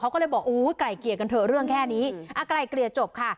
เขาก็เลยบอกอู๋ไก่เกลียร์กันเถอะเรื่องแค่นี้อ่าไก่เกลียร์จบค่ะ